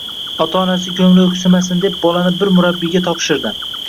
Ota-onasi koʻngli oʻksimasin deb bolani bir murabbiyga topshirdi